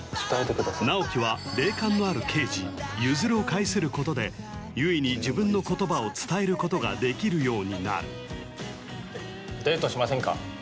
直木は霊感のある刑事譲を介することで悠依に自分の言葉を伝えることができるようになるえっ？